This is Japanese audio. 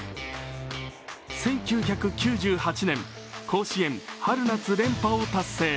１９９８年、甲子園春夏連覇を達成。